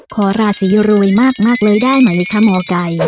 ขอราศีรวยมากเลยได้ไหมคะหมอไก่